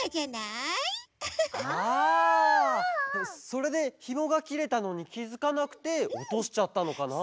それでひもがきれたのにきづかなくておとしちゃったのかな？